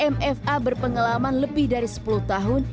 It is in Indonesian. mfa berpengalaman lebih dari sepuluh tahun